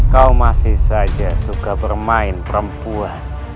kau masih saja suka bermain perempuan